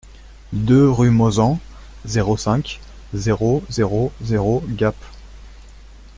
deux rue Mauzan, zéro cinq, zéro zéro zéro Gap